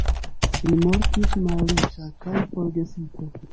Li mortis malriĉa kaj forgesita.